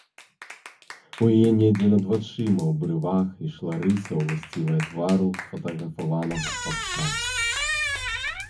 У яе недзе над вачыма, у брывах, ішла рыса, уласцівая твару сфатаграфаванага хлапца.